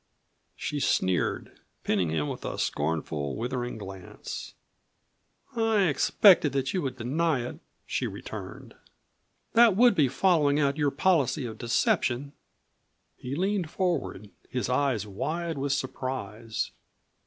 She sneered, pinning him with a scornful, withering glance. "I expected that you would deny it," she returned. "That would be following out your policy of deception." He leaned forward, his eyes wide with surprise.